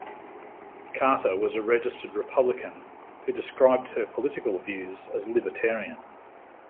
Carter was a registered Republican, who described her political views as libertarian.